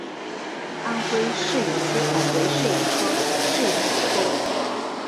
安徽嗜眼吸虫为嗜眼科嗜眼属的动物。